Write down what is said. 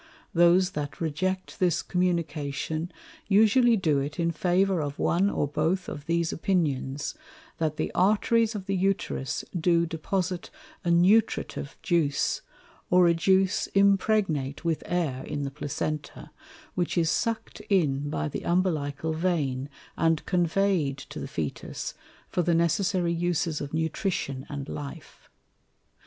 Those that reject this Communication usually do it in favour of one or both of these Opinions, that the Arteries of the Uterus do deposite a Nutritive Juice, or a Juice impregnate with Air in the Placenta, which is suck'd in by the Umbilical Vein, and convey'd to the Fœtus, for the necessary Uses of Nutrition and Life.